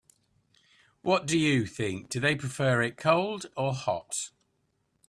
What do you think, do they prefer it cold or hot?